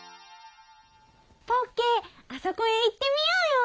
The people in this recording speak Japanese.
ポッケあそこへ行ってみようよ！